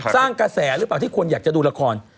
สร้างกระแสหรือเปล่าที่คนอยากจะดูละคร